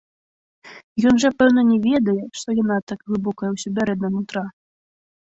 Ён жа, пэўна, не ведае, што яна так глыбока ўсё бярэ да нутра?